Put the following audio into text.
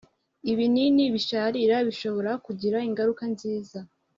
ibinini bisharira bishobora kugira ingaruka nziza